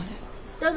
どうぞ。